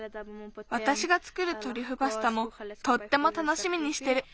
わたしがつくるトリュフパスタもとってもたのしみにしてる。